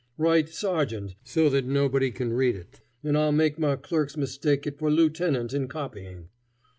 Write 'sergeant' so that nobody can read it, and I'll make my clerks mistake it for 'lieutenant' in copying.